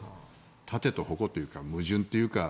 盾と矛というか矛盾というか